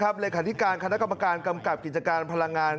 เลขาธิการคณะกรรมการกำกับกิจการพลังงาน